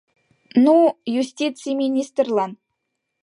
— Ну… юстиций министрлан.